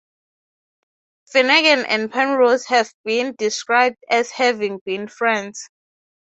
Finnegan and Penrose have been described as having been friends.